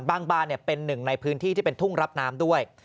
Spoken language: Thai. บ้านเป็นหนึ่งในพื้นที่ที่เป็นทุ่งรับน้ำด้วย